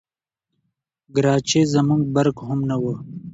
ګرچې زموږ برق هم نه وو🤗